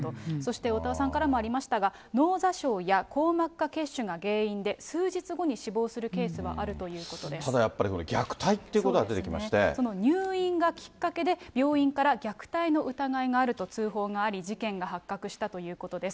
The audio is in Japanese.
そしておおたわさんからもありましたが、脳挫傷や硬膜下血腫が原因で、数日後に死亡するケースはただやっぱり、その入院がきっかけで、病院から虐待の疑いがあると通報があり、事件が発覚したということです。